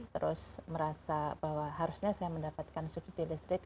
terus merasa bahwa harusnya saya mendapatkan subsidi listrik